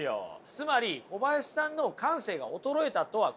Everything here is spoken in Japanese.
つまり小林さんの感性が衰えたとはこれ言えません！